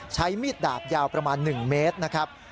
ใช้มีดดาบยาวประมาณ๑เมตรนะครับ